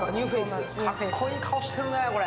かっこいい顔してるね、これ。